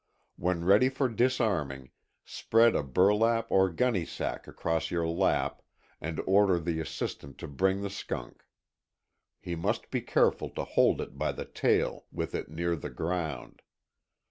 When ready for disarming, spread a burlap or gunnysack across your lap and order the assistant to bring the skunk. He must be careful to hold it by the tail, with it near the ground.